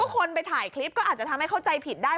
คนไปถ่ายคลิปก็อาจจะทำให้เข้าใจผิดได้